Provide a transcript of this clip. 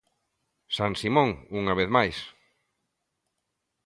San Simón, unha vez máis.